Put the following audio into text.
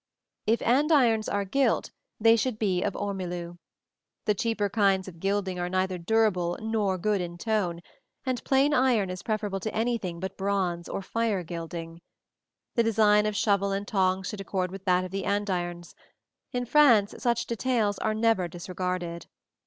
If andirons are gilt, they should be of ormolu. The cheaper kinds of gilding are neither durable nor good in tone, and plain iron is preferable to anything but bronze or fire gilding. The design of shovel and tongs should accord with that of the andirons: in France such details are never disregarded.